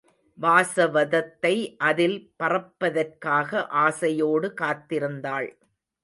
வாசவதத்தை அதில் பறப்பதற்காக ஆசையோடு காத்திருந்தாள்.